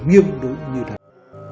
nghiêm đối như thế này